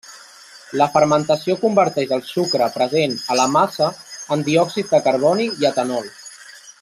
La fermentació converteix el sucre present a la massa en diòxid de carboni i etanol.